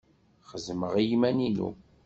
Xeddmeɣ i yiman-inu.